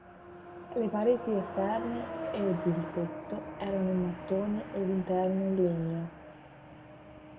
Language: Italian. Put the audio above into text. Le pareti esterne ed il tetto erano in mattoni e l'interno in legno.